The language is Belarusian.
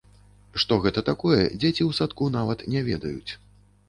Што гэта такое, дзеці ў садку нават не ведаюць.